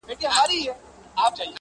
راسه يوار راسه صرف يوه دانه خولگۍ راكړه.